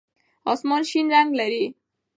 آسمان شین رنګ لري.